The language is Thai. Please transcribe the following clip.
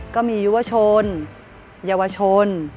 ก็มียุวชนเยาวชน